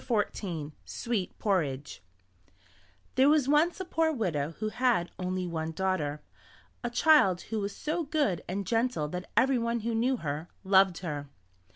SWEET PORRIDGE There was once a poor widow who had only one daughter, a child who was so good and gentle that everyone who knew her, loved her.